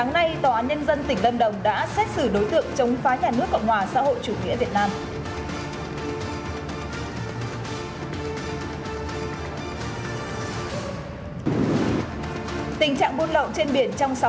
hãy đăng ký kênh để ủng hộ kênh của chúng mình nhé